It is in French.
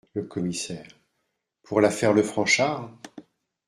Le Commissaire Pour l’affaire le Franchart ?…